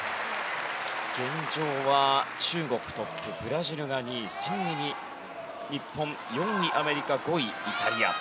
現状は、中国トップブラジルが２位３位に日本、４位にアメリカ５位にイタリア。